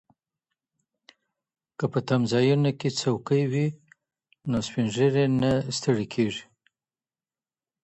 که په تمځایونو کي څوکۍ وي، نو سپین ږیري نه ستړي کیږي.